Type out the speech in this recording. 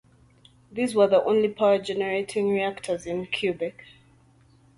These were the only power-generating reactors in Quebec.